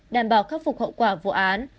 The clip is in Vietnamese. đảm bảo khắc phục hậu quả vụ án